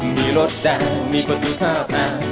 มีรถแดงมีประตูท่าแพง